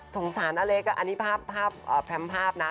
สงสารอเล็กอ่ะอันนี้ภาพภาพแพรมภาพนะ